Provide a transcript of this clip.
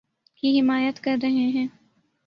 کی حمایت کر رہے ہیں